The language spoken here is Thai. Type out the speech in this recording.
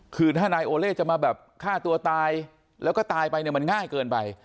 คือถ้านายโอเล่จะมาแบบฆ่าตัวตายแล้วก็ตายไปเนี่ยมันง่ายเกินไป